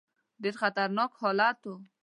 ډېر خطرناک حالت وو.